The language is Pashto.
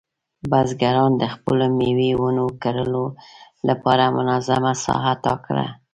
بزګران د خپلو مېوې ونو کرلو لپاره منظمه ساحه ټاکله.